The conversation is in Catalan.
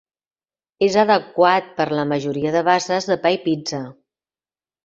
És adequat per la majoria de bases de pa i pizza.